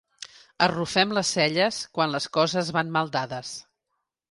Arrufem les celles quan les coses van mal dades.